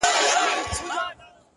لويه گناه”